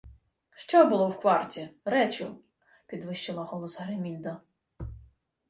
— Що було в кварті, речу? — підвищила голос Гримільда.